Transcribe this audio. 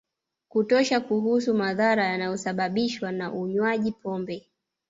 kutosha kuhusu madhara yanayosababishwa na unywaji pombe